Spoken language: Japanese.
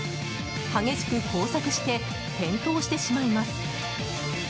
激しく交錯して転倒してしまいます。